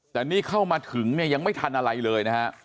แต่นี่เข้ามาถึงเนี่ยยังไม่ทันอะไรเลยนะฮะ